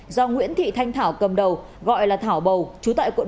do nguyễn thị thanh thảo cầm đầu gọi là thảo bầu chú tại quận tám